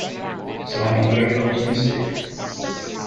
So I am very optimistic.